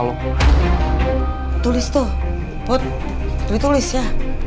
put beritulis ya